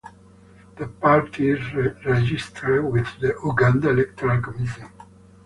The party is registered with the Uganda Electoral Commission.